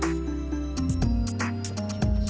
tante ini sudah beres